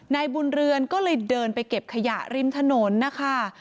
นายบุญเรือนก็เลยเดินไปเก็บขยะริมถนนนะคะ